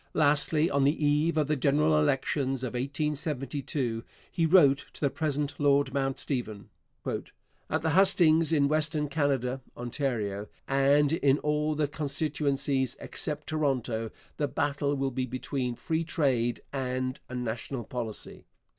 Lastly, on the eve of the general elections of 1872, he wrote to the present Lord Mount Stephen: At the hustings in Western Canada [Ontario] and in all the constituencies except Toronto, the battle will be between free trade and a national policy....